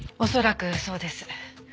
恐らくそうです。